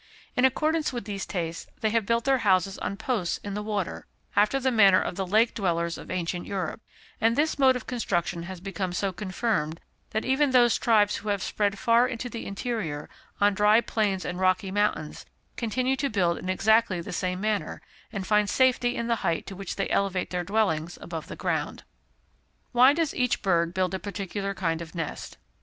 In accordance with these tastes, they have built their houses on posts in the water, after the manner of the lake dwellers of ancient Europe; and this mode of construction has become so confirmed, that even those tribes who have spread far into the interior, on dry plains and rocky mountains, continue to build in exactly the same manner, and find safety in the height to which they elevate their dwellings above the ground. _Why does each Bird build a peculiar kind of Nest?